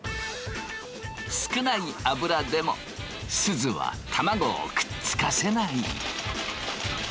少ない油でもすずは卵をくっつかせない。